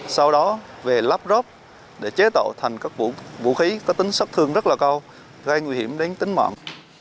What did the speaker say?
sau đó về lắp rớp để chế tạo thành các vũ khí có tính sắc thương rất là cao gây nguy hiểm đến tính mạng